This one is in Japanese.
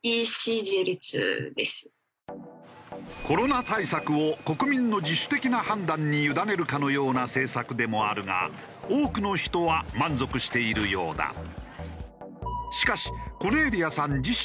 コロナ対策を国民の自主的な判断に委ねるかのような政策でもあるが多くの人は満足しているようだ。